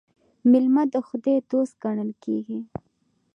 میلمه د خدای دوست ګڼل کیږي.